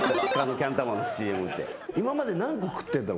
今まで何個食ってんだ？